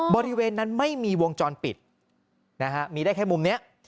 บริเวณนั้นไม่มีวงจรปิดนะฮะมีได้แค่มุมนี้